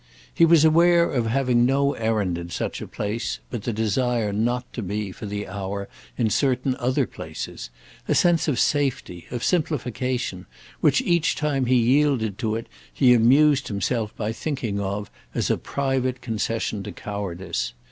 He was aware of having no errand in such a place but the desire not to be, for the hour, in certain other places; a sense of safety, of simplification, which each time he yielded to it he amused himself by thinking of as a private concession to cowardice.